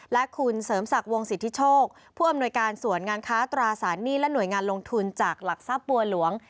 และคุณเสริมศักดิ์วงสิทธิโชคผู้อำนวยการสวนงานค้าตราสารหนี้และหน่วยงานลงทุนจากหลักทรัพย์บัวหลวง